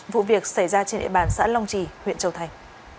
vụ việc xảy ra trên địa bàn xã long trì huyện châu thành